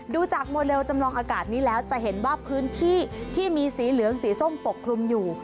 ดูจากโมเลลจำลองอากาศนี้แล้วจะเห็นว่าพื้นที่ที่มีสีเหลืองสีส้มปกคลุมอยู่